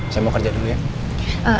saya mau kerja dulu ya